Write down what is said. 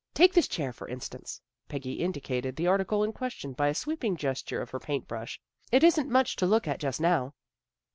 Take this chair, for instance." Peggy indicated the article in question by a sweeping gesture of her paint brush. " It isn't much to look at just now."